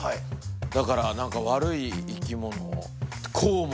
だから何か悪い生き物？